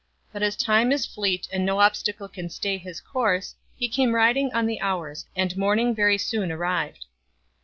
But as Time is fleet and no obstacle can stay his course, he came riding on the hours, and morning very soon arrived.